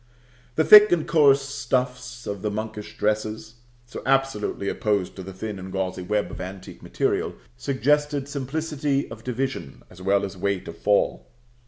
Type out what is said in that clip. The thick and coarse stuffs of the monkish dresses, so absolutely opposed to the thin and gauzy web of antique material, suggested simplicity of division as well as weight of fall.